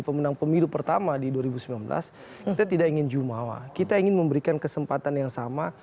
pemenang pemilu pertama di dua ribu sembilan belas kita tidak ingin jumawa kita ingin memberikan kesempatan yang sama